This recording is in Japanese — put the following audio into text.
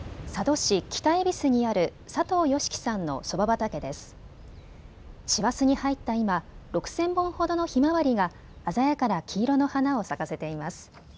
師走に入った今、６０００本ほどのヒマワリが鮮やかな黄色の花を咲かせています。